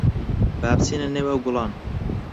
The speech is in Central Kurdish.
با بچینە نێو ئەو گوڵان.